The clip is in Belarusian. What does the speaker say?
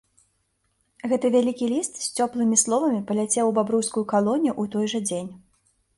Гэты вялікі ліст з цёплымі словамі паляцеў у бабруйскую калонію ў той жа дзень.